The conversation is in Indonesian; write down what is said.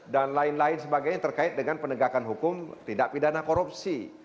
dan lain lain sebagainya yang terkait dengan penegakan hukum tidak pidana korupsi